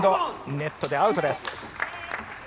ネットでアウトです。